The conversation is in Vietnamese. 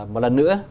một lần nữa